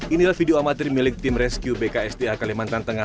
inilah video amatir milik tim rescue bksda kalimantan tengah